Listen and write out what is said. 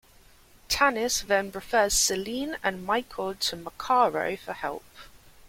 Tanis then refers Selene and Michael to Macaro for help.